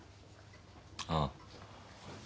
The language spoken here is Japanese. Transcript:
ああ。